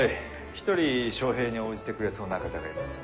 一人招へいに応じてくれそうな方がいます。